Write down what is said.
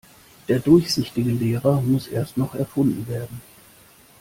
Der durchsichtige Lehrer muss erst noch erfunden werden.